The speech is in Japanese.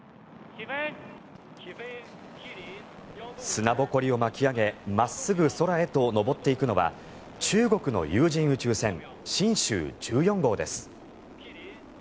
砂ぼこりを巻き上げ真っすぐ空へと昇っていくのは中国の有人宇宙船神舟１４号です。